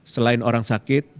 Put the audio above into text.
selain orang sakit